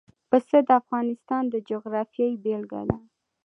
پسه د افغانستان د جغرافیې بېلګه ده.